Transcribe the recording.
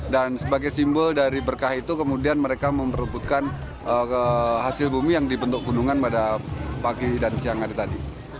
dan sebagai simbol dari berkah itu kemudian mereka memperobotkan hasil bumi yang dibentuk gunungan pada pagi dan siang hari tadi